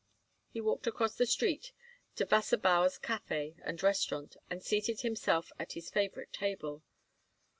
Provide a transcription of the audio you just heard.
He walked across the street to Wasserbauer's Café and Restaurant and seated himself at his favorite table.